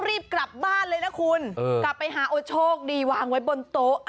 เอาไปวางไหน